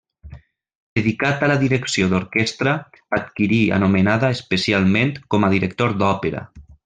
Dedicat a la direcció d'orquestra, adquirí anomenada especialment com a director d'òpera.